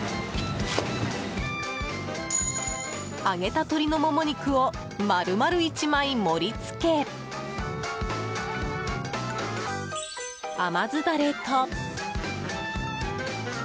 揚げた鶏のモモ肉を丸々１枚盛り付け甘酢ダレと。